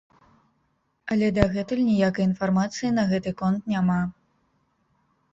Але дагэтуль ніякай інфармацыі на гэты конт няма.